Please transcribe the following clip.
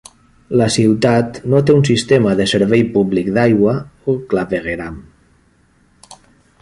La ciutat no té un sistema de servei públic d'aigua o clavegueram.